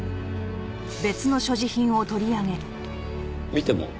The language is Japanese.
見ても？